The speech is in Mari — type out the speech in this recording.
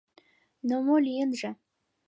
— Но мо лийынже?